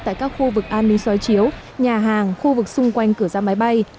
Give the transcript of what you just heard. tại các khu vực an ninh soi chiếu nhà hàng khu vực xung quanh cửa ra máy bay